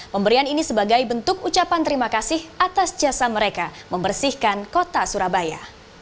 pemberian ini sebagai bentuk ucapan terima kasih atas jasa mereka membersihkan kota surabaya